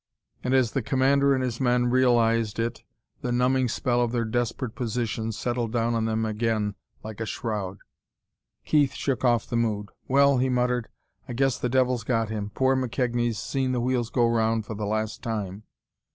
And as the commander and his men realized it the numbing spell of their desperate position settled down on them again like a shroud. Keith shook off the mood. "Well," he muttered, "I guess the devils got him. Poor McKegnie's seen the wheels go round for the last time....